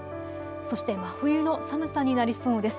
そして真冬の寒さになりそうです。